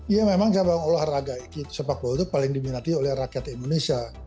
ya memang cabang olahraga sepak bola itu paling diminati oleh rakyat indonesia